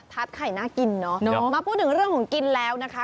ไข่น่ากินเนอะมาพูดถึงเรื่องของกินแล้วนะคะ